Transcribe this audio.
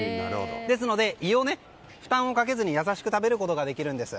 ですので、胃に負担をかけずに優しく食べることができるんです。